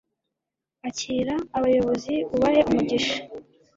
akira abayobozi, ubahe umugisha